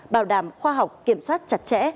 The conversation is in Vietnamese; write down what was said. bảo đảm khoa học kiểm soát chặt chẽ